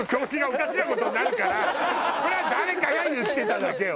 これは誰かが言ってただけよ。